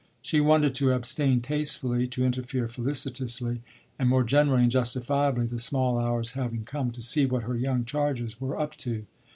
She wanted to abstain tastefully, to interfere felicitously, and, more generally and justifiably the small hours having come to see what her young charges were "up to."